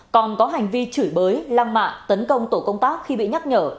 còn có hành vi chửi bới lăng mạ tấn công tổ công tác khi bị nhắc nhở